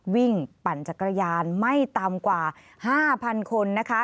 วิ่งปั่นจักรยานไม่ต่ำกว่า๕๐๐๐คน